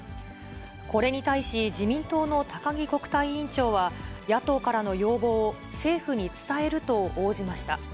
これに対し、自民党の高木国対委員長は、野党からの要望を政府に伝えると応じました。